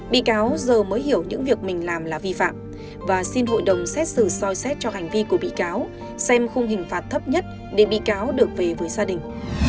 bị cáo giờ mới hiểu những việc mình làm là vi phạm và xin hội đồng xét xử soi xét cho hành vi của bị cáo xem khung hình phạt thấp nhất để bị cáo được về với gia đình